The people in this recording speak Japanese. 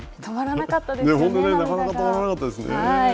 本当に、なかなか止まらなかったですね。